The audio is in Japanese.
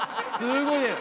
すごい。